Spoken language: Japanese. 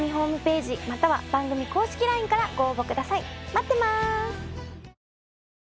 待ってます！